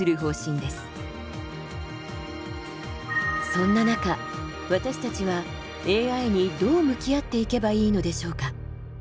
そんな中私たちはＡＩにどう向き合っていけばいいのでしょうか。